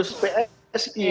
yang kebetulan pengguna